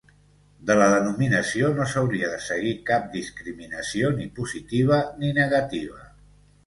De la denominació no s'hauria de seguir cap discriminació ni positiva ni negativa.